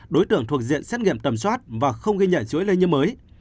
đối tượng thuộc diện xét nghiệm tầm soát và không ghi nhận chuỗi lây nhiễm mới